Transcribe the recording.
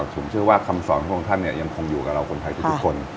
ผมเชื่อว่าคำสอนของท่านเนี่ยยังคงอยู่กับเราคนไทยทุกคน